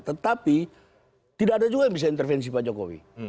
tetapi tidak ada juga yang bisa intervensi pak jokowi